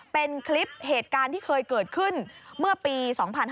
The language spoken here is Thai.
เป็นคลิปเหตุการณ์ที่เคยเกิดขึ้นเมื่อปี๒๕๕๙